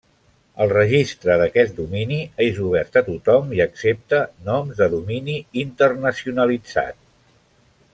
El registre d'aquest domini és obert a tothom i accepta noms de domini internacionalitzat.